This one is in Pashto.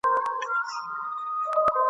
څو چي ورېځ پر آسمان ګرځي ..